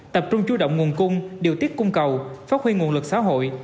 tập trung chú động nguồn cung điều tiết cung cầu phát huy nguồn lực xã hội